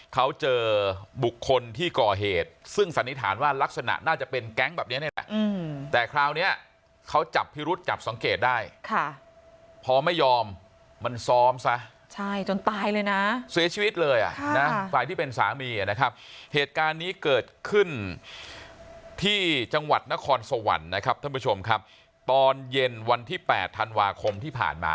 เขาเจอโหปคนที่ก่อเหตุซึ่งสันนิษฐานว่าลักษณะน่าจะเป็นแก๊งแบบนี้